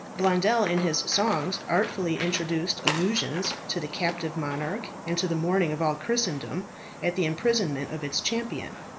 Blondel in his songs artfully introduced allusions to the captive monarch and to the mourning of all Christendom at the imprisonment of its champion.